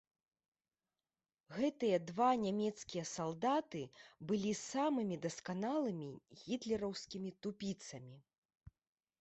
Гэтыя два нямецкія салдаты былі самымі дасканалымі гітлераўскімі тупіцамі.